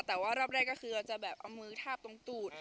แต่ว่ารอบแรกก็คือเราจะแบบเอามือทาบตรงตูด